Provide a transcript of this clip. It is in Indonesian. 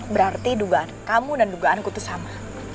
berarti dugaan kamu dan dugaanku itu sama